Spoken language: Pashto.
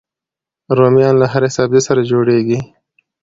رومیان له هرې سبزي سره جوړيږي